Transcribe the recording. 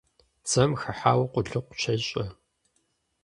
Дзэм хыхьауэ къулыкъу щещӀэ.